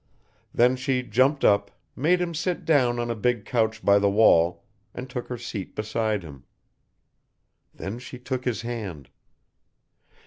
Then she jumped up, made him sit down on a big couch by the wall, and took her seat beside him. Then she took his hand.